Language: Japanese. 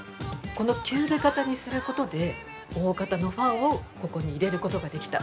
このキューブ型にすることで、大型のファンをここに入れることができた。